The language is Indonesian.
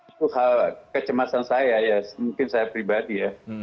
itu hal kecemasan saya ya mungkin saya pribadi ya